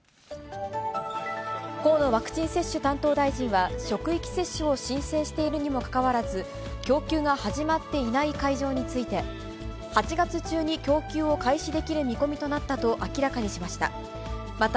河野ワクチン接種担当大臣は、職域接種を申請しているにもかかわらず、供給が始まっていない会場について、８月中に供給を開始できる見込みとなったと明らかにしました。